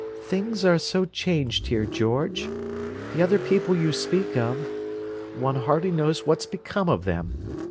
"Things are so changed here, George. The other people you speak of—one hardly knows what's become of them.